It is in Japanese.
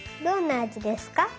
どんなあじですか？